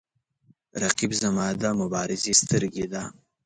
رقیب زما د مبارزې سترګې ده